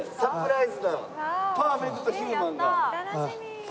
パーフェクトヒューマン？